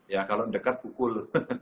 ya kalau dekat pukul